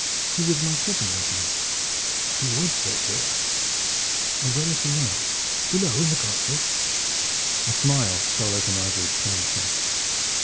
He was my prisoner, was he not?" "He was, fair sir." "And where is he now?" "Below in the castle." A smile stole over Nigel's pale face.